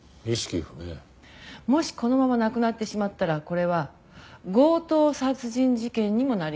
もしこのまま亡くなってしまったらこれは強盗殺人事件にもなり得るわけ。